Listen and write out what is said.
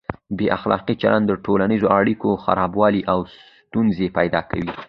بې اخلاقه چلند د ټولنیزو اړیکو خرابوالی او ستونزې پیدا کوي.